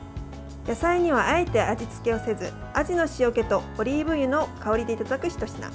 野菜にはあえて味付けをせずアジの塩気とオリーブ油の香りでいただく、ひと品。